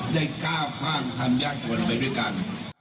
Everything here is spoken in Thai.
ได้ก้าวความทันยากจนไปด้วยกัน